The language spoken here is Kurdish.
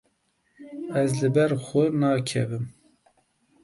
Ez li ber xwe nakevim.